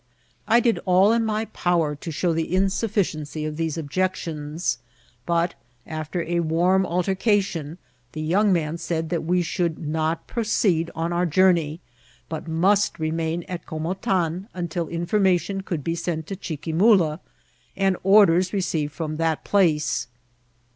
I did all in my power to show the insufficiency of these objections ; but, after a warm altercation, the young man said that we should not proceed on our jour ney, but must remain at Comotan until information eould be sent to Chiquimula, and orders received from ARREST. 81 that place.